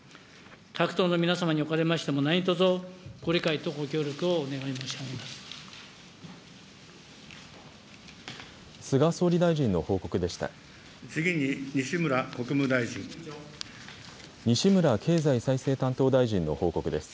各党の皆様におかれましても、何とぞご理解とご協力をお願い申し上げます。